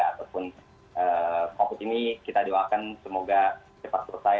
ataupun covid ini kita doakan semoga cepat selesai